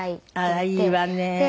あらいいわね。